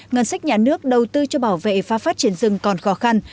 ngân sách nhà nước đầu tư cho bảo vệ và phát triển rừng còn khó khăn